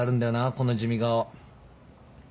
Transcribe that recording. この地味顔。